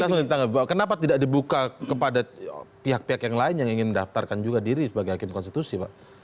saya ingin tanggap kenapa tidak dibuka kepada pihak pihak yang lain yang ingin mendaftarkan juga diri sebagai hakim konstitusi pak